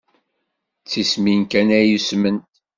D tismin kan ay usment.